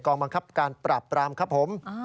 บังคับการปราบปรามครับผม